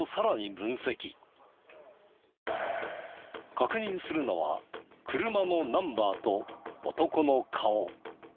確認するのは車のナンバーと男の顔。